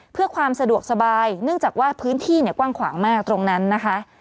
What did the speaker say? เพื่อความสะดวกสบายเนื่องจากว่าพื้นที่เนี่ยกว้างขวางมากตรงนั้นนะคะ